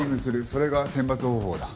それが選抜方法だ。